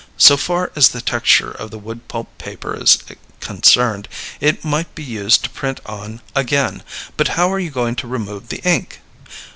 So far as the texture of the wood pulp paper is concerned, it might be used to print on again, but how are you going to remove the ink?